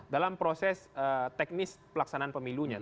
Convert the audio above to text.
dalam proses teknis pelaksanaan pemilunya